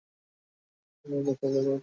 আমিও দেখিয়ে দেব আমি দুর্বল কিনা।